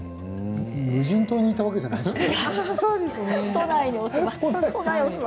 無人島にいたわけじゃないですよね。